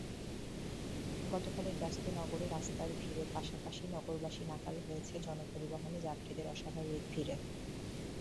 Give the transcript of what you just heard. গতকালের ব্যস্ত নগরে রাস্তার ভিড়ের পাশাপাশি নগরবাসী নাকাল হয়েছে জনপরিবহনে যাত্রীদের অস্বাভাবিক ভিড়ে।